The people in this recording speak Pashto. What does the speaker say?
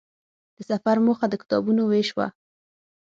د سفر موخه د کتابونو وېش وه.